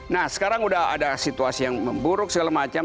nah sekarang sudah ada situasi yang memburuk segala macam